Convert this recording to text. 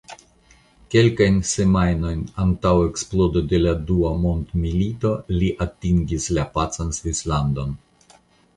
Kelkajn semajnojn antaŭ eksplodo de la Dua mondmilito li atingis la pacan Svislandon.